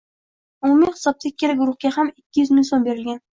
Umumiy hisobda ikkala guruhga ham ikki yuz ming so’m berilgan.